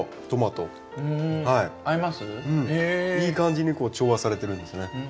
いい感じに調和されてるんですね。